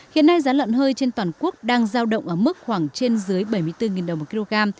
hiện nay giá lợn hơi trên toàn quốc đang giao động ở mức khoảng trên dưới bảy mươi bốn đồng một kg